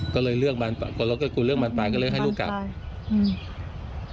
ก็เรียกบารปายก็เลือกให้ลูกกลับ